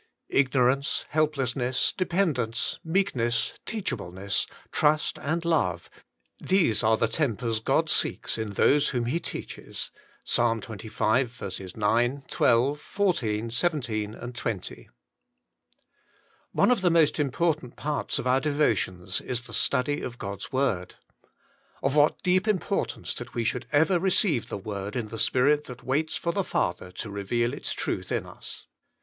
Ignorance, helplessness, de pendence, meekness, teachableness, trust and love — these are the tempers God seeks in those whom He teaches. (Ps. xxv. 9, 12, 14, 17, 20.) One of the most important parts of our devo tions is the study of God's Word. Of what deep importance that we should ever receive the Word in the Spirit that waits for the Father to reveal its truth in us.